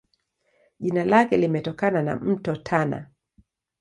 Jina lake limetokana na Mto Tana.